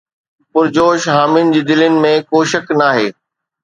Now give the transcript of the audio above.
پرجوش حامين جي دلين ۾ ڪو شڪ ناهي